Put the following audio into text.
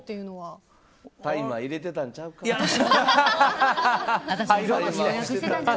タイマー入れてたんちゃうか。